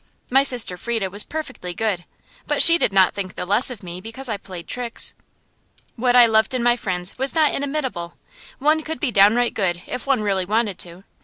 My sister Frieda was perfectly good, but she did not think the less of me because I played tricks. What I loved in my friends was not inimitable. One could be downright good if one really wanted to.